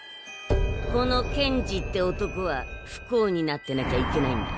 この健司って男は不幸になってなきゃいけないんだ。